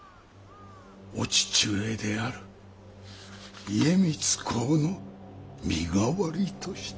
お父上である家光公の身代わりとして。